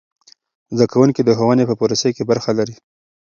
زده کوونکي د ښوونې په پروسې کې برخه لري.